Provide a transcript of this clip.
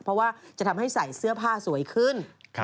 เพราะว่าจะทำให้ใส่เสื้อผ้าสวยขึ้น